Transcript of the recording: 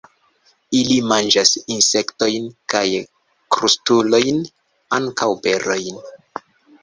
Ili manĝas insektojn kaj krustulojn; ankaŭ berojn.